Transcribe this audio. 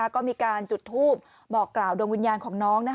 ก็มีการจุดทูปบอกกล่าวดวงวิญญาณของน้อง